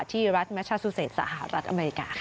ที่รัฐแมชาซูเซตสหรัฐอเมริกาค่ะ